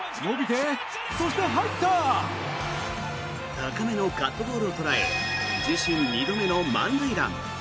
高めのカットボールを捉え自身２度目の満塁弾。